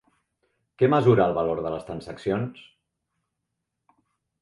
Què mesura el valor de les transaccions?